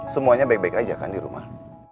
semuanya baik baik aja kan di rumah